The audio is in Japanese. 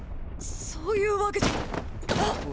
そういうわけじゃッ！！